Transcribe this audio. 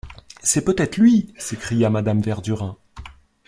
C’est peut-être lui, s’écria Madame Verdurin.